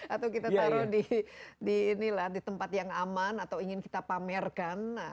atau kita taruh di tempat yang aman atau ingin kita pamerkan